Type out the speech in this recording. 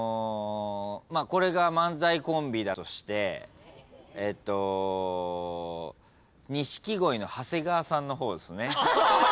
これが漫才コンビだとしてえっと錦鯉の長谷川さんの方ですね。